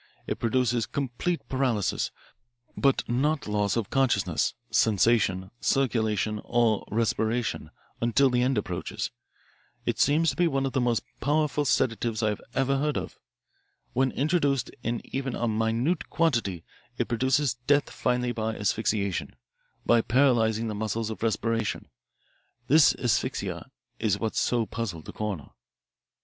It produces complete paralysis, but not loss of consciousness, sensation, circulation, or respiration until the end approaches. It seems to be one of the most powerful sedatives I have ever heard of. When introduced in even a minute quantity it produces death finally by asphyxiation by paralysing the muscles of respiration. This asphyxia is what so puzzled the coroner.